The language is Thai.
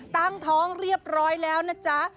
ตั้งท้องเรียบร้อยแล้วนะจ๊ะ